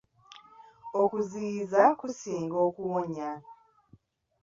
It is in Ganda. Okuziyiza kusinga okuwonya.